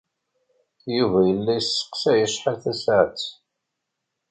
Yuba yella yesseqsay acḥal tasaɛet.